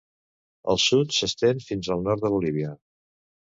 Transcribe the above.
Al sud, s'estén fins al nord de Bolívia.